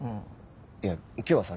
いや今日はさ